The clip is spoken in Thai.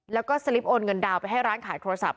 แล้วก็สลิปโอนเงินดาวน์ไปให้ร้านขายโทรศัพ